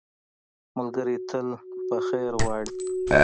ملګری تل په خیر غواړي